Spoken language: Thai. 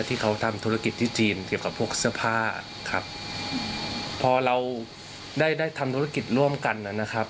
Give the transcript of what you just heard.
ที่เขาทำธุรกิจที่จีนเกี่ยวกับพวกเสื้อผ้าครับพอเราได้ได้ทำธุรกิจร่วมกันนะครับ